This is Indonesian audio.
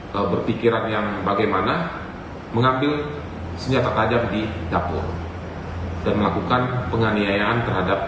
hai kau berpikiran yang bagaimana mengambil senjata tajam di dapur dan melakukan penganiayaan terhadap